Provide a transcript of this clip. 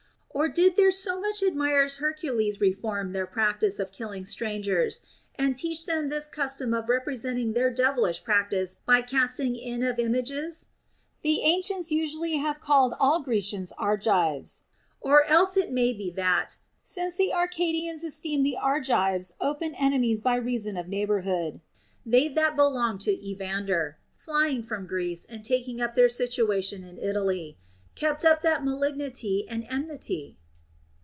Or did their so much ad mired Hercules reform their practice of killing strangers, and teach them this custom of representing their devil ish practice by casting in of images \ The ancients have usually called all Grecians Argives. Or else it may be that, since the Arcadians esteemed the Argives open ene mies by reason of neighborhood, they that belonged to Evander, flying from Greece and taking up their situation in Italy, kept up that malignity and enmity.